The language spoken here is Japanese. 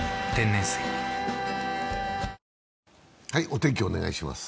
お天気お願いします。